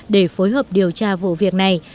để phối hợp điều tra vụ việc này